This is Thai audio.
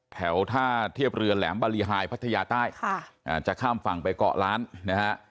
แถวท่าเทียบเรือแหลมบารีไฮพัทยาใต้จะข้ามฝั่งไปเกาะล้านนะฮะ